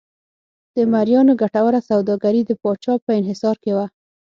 د مریانو ګټوره سوداګري د پاچا په انحصار کې وه.